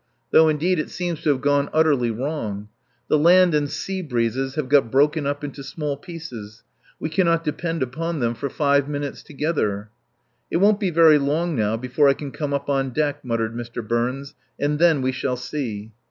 Though indeed it seems to have gone utterly wrong. The land and sea breezes have got broken up into small pieces. We cannot depend upon them for five minutes together." "It won't be very long now before I can come up on deck," muttered Mr. Burns, "and then we shall see."